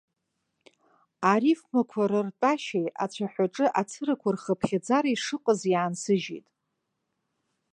Арифмақәа рыртәашьеи, ацәаҳәаҿы ацырақәа рхыԥхьаӡареи шыҟаз иаансыжьит.